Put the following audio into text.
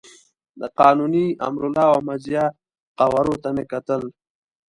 د قانوني، امرالله او احمد ضیاء قوارو ته مې کتل.